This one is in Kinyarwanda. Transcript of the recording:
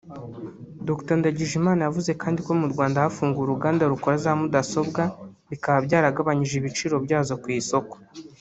Dr Ndagijimana yavuze kandi ko mu Rwanda hafunguwe uruganda rukora za mudasobwa bikaba byaragabanyije ibiciro byazo ku isoko